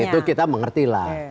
itu kita mengertilah